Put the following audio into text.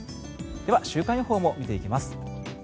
では、週間予報も見ていきます。